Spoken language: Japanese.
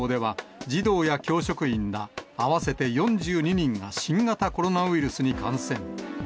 実はこの小学校では、児童や教職員ら合わせて４２人が新型コロナウイルスに感染。